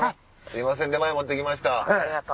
「すいません出前持って来ました」。